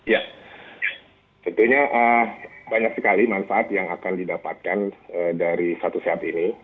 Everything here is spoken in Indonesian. ya tentunya banyak sekali manfaat yang akan didapatkan dari satu sehat ini